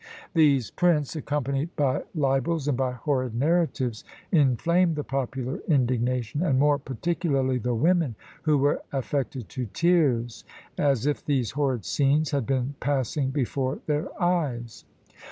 These prints, accompanied by libels and by horrid narratives, inflamed the popular indignation, and more particularly the women, who were affected to tears, as if these horrid scenes had been passing before their eyes.